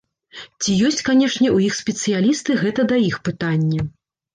Ці ёсць канешне у іх спецыялісты, гэта да іх пытанне.